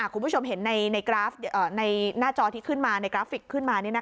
คุณผู้ชมเห็นในกราฟในหน้าจอที่ขึ้นมาในกราฟิกขึ้นมาเนี่ยนะคะ